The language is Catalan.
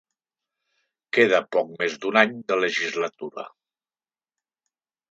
Queda poc més d’un any de legislatura.